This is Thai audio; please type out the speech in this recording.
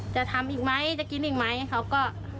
จะทำอีกไหมจะกินอีกไหมเขาก็